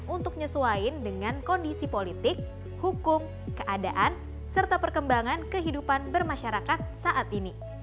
untuk nyesuaikan dengan kondisi politik hukum keadaan serta perkembangan kehidupan bermasyarakat saat ini